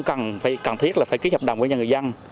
không cần cần thiết là phải ký hợp đồng với những người dân